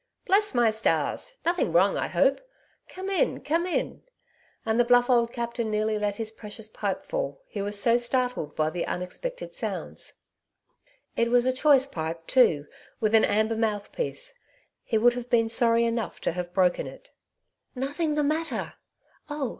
Bless my stars ! nothing wrong I hope ? Come in, come in !" and the bluff old captain nearly let his pre cious pipe fall, he was so startled by the un expected sounds. It was a choice pipe, too, with I 140 " Two Sides to every Question,^* an amber mouthpiece ; lie would have been sorry enough to have broken it. ''Nothing the matter; oh!